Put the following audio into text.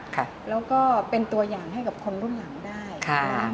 ค่ะแล้วก็เป็นตัวอย่างให้กับคนรุ่นหลังได้ค่ะ